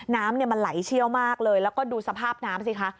น้ำมันไหลเชี่ยวมากเลยแล้วก็ดูสภาพน้ำสิคะ